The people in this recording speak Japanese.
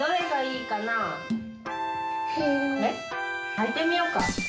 はいてみようか。